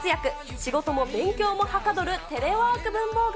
仕事も勉強もはかどるテレワーク文房具。